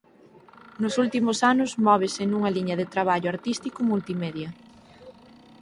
Nos últimos anos móvese nunha liña de traballo artístico multimedia.